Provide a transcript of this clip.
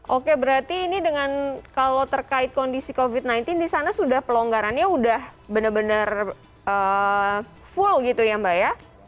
oke berarti ini dengan kalau terkait kondisi covid sembilan belas di sana sudah pelonggarannya sudah benar benar full gitu ya mbak ya